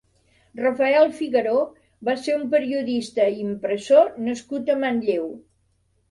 Rafael Figueró va ser un periodista i impressor nascut a Manlleu.